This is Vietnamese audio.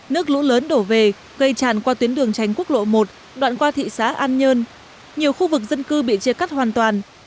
nước lũ lớn đổ về gây tràn qua tuyến đường tránh quốc lộ một đoạn qua thị xã an nhơn nhiều khu vực dân cư bị chia cắt hoàn toàn